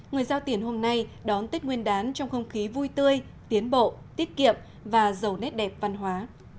người giao tiền hôm nay đón tết nguyên đán trong không khí vui tươi tiến bộ tiết kiệm và giàu nét đẹp văn hóa